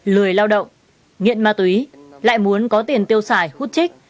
lười lao động nghiện ma túy lại muốn có tiền tiêu sát